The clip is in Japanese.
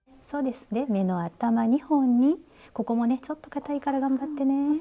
で目の頭２本にここもねちょっとかたいから頑張ってね。